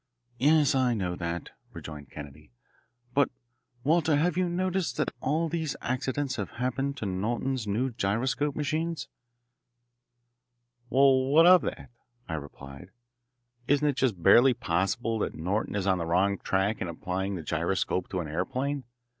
"Yes, I know that," rejoined Kennedy; "but, Walter, have you noticed that all these accidents have happened to Norton's new gyroscope machines?" "Well, what of that" I replied. "Isn't it just barely possible that Norton is on the wrong track in applying the gyroscope to an aeroplane?